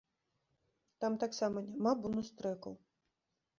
Там таксама няма бонус-трэкаў.